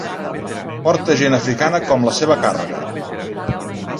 Porta a gent africana com la seva càrrega.